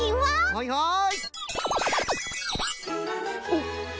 はいはい。